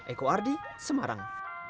eko ardi semarang